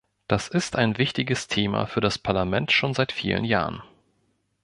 Das ist ein wichtiges Thema für das Parlament schon seit vielen Jahren.